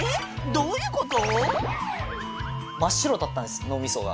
どういうこと？